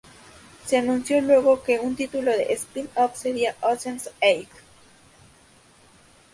Se anunció luego que el título del spin-off sería "Ocean's Eight".